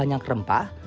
dan tidak banyak rempah